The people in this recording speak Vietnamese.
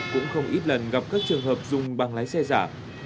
cũng không ít lần gặp các trường hợp dùng bằng lái xe giả